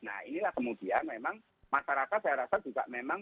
nah inilah kemudian memang masyarakat saya rasa juga memang